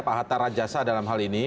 pak hatta rajasa dalam hal ini